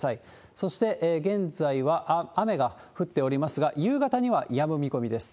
そして、現在は雨が降っておりますが、夕方にはやむ見込みです。